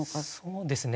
そうですね。